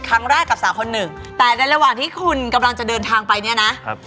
ครั้งแรกกับสาวคนหนึ่งแต่ในระหว่างที่คุณกำลังจะเดินทางไปเนี่ยนะครับ